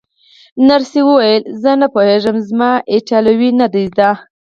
نرسې وویل: زه نه پوهېږم، زما ایټالوي نه ده زده.